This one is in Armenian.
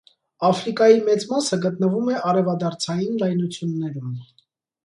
Աֆրիկայի մեծ մասը գտնվում է արևադարձային լայնություններում։